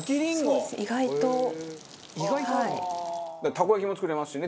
たこ焼きも作れますしね。